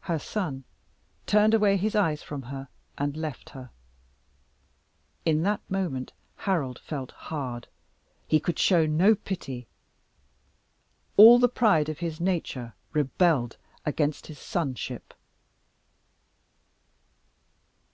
Her son turned away his eyes from her, and left her. In that moment Harold felt hard: he could show no pity. All the pride of his nature rebelled against his sonship.